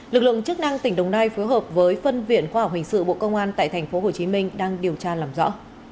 lực lượng chức năng tỉnh đồng nai phối hợp với phân viện khoa học hình sự bộ công an tại tp hcm đang điều tra làm rõ